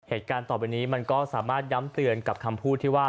เหตุการณ์ต่อไปนี้มันก็สามารถย้ำเตือนกับคำพูดที่ว่า